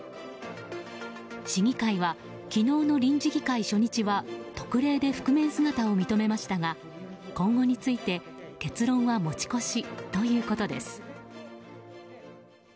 市議会は、昨日の臨時議会初日は特例で覆面姿を認めましたが今後について結論は持ち越しということです。